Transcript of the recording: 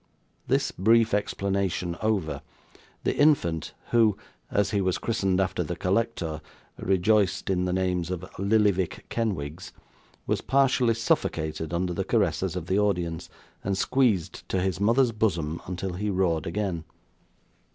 This brief explanation over, the infant, who, as he was christened after the collector! rejoiced in the names of Lillyvick Kenwigs, was partially suffocated under the caresses of the audience, and squeezed to his mother's bosom, until he roared again.